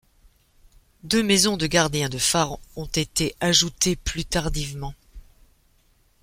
Deux maisons de gardien de phare ont été ajoutées plus tardivement.